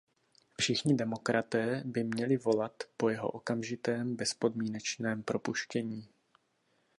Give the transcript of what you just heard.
Všichni demokraté by měli volat po jeho okamžitém, bezpodmínečném propuštění.